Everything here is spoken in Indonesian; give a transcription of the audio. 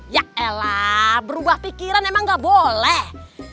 ya elah berubah pikiran emang ga boleh